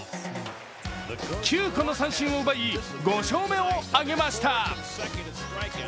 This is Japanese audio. ９個の三振を奪い５勝目を挙げました。